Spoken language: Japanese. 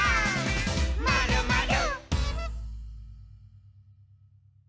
「まるまる」